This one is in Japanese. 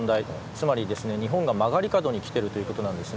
つまり日本が曲がり角に来ているということなんです。